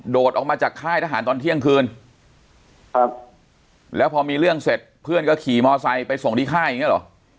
ออกมาจากค่ายทหารตอนเที่ยงคืนครับแล้วพอมีเรื่องเสร็จเพื่อนก็ขี่มอไซค์ไปส่งที่ค่ายอย่างเงี้เหรอ